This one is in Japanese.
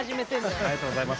ありがとうございます。